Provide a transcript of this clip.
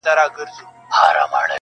وروسته چیري ځي په هیڅ نه یم خبره -